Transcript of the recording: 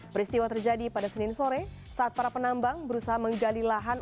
peristiwa terjadi pada senin sore saat para penambang berusaha menggali lahan